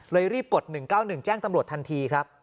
รีบกด๑๙๑แจ้งตำรวจทันทีครับ